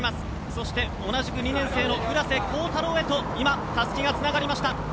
そして、同じく２年生の浦瀬晃太朗へたすきがつながりました。